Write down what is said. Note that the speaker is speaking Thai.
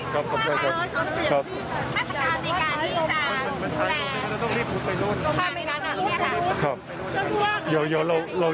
อ๋ออ๋อครับครับครับว่าไงนะครับ